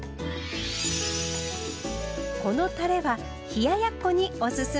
このたれは冷ややっこにおすすめ。